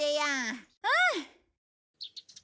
うん！